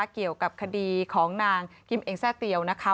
เกี่ยวกับคดีของนางกิมเองแทร่เตียวนะคะ